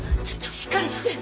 しっかりして！